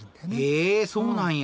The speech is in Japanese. へえそうなんや。